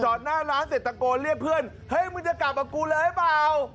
หน้าร้านเสร็จตะโกนเรียกเพื่อนเฮ้ยมึงจะกลับกับกูเลยหรือเปล่า